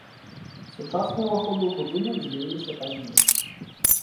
Сучасныя ўваходы ў будынак з'явіліся пазней.